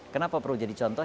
kenapa perlu jadi contoh